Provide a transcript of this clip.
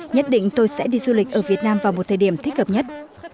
nhất định tôi sẽ đi du lịch ở việt nam vào một thời điểm thích hợp nhất